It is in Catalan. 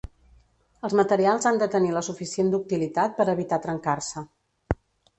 Els materials han de tenir la suficient ductilitat per evitar trencar-se.